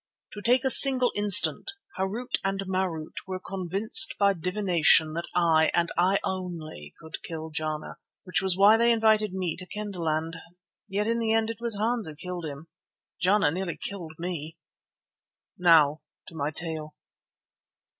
To take a single instance, Harût and Marût were convinced by divination that I, and I only, could kill Jana, which was why they invited me to Kendahland. Yet in the end it was Hans who killed him. Jana nearly killed me! Now to my tale.